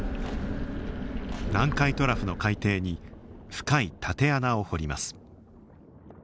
南海トラフの海底に深い縦穴を掘ります。